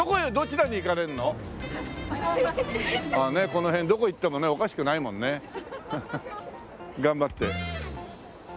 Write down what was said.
この辺どこ行ってもねおかしくないもんね。頑張って。